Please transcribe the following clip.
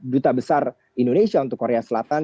duta besar indonesia untuk korea selatan